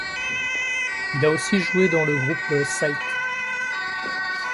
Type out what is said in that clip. Il a aussi joué dans le groupe Sight.